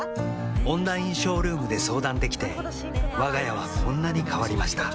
オンラインショールームで相談できてわが家はこんなに変わりました